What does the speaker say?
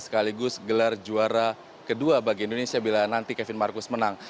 sekaligus gelar juara kedua bagi indonesia bila nanti kevin marcus menang